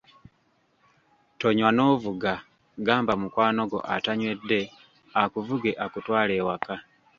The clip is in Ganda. Tonywa n'ovuga gamba mukwano gwo atanywedde akuvuge akutwale ewaka.